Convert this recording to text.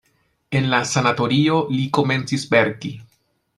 En la sanatorio li komencis verki.